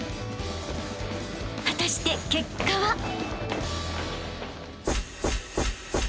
［果たして結果は！？］